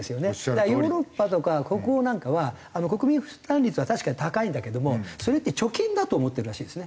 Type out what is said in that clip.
だからヨーロッパとか北欧なんかは国民負担率は確かに高いんだけどもそれって貯金だと思ってるらしいですね。